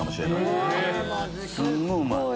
すんごいうまい。